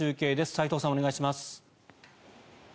齋藤さん、お願いします。